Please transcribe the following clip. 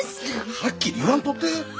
はっきり言わんとって！